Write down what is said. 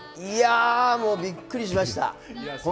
いや、もうびっくりしました。